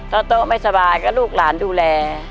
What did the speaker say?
โต๊ะไม่สบายก็ลูกหลานดูแล